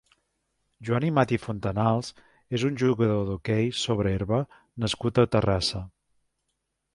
Joan Amat i Fontanals és un jugador d'hoquei sobre herba nascut a Terrassa.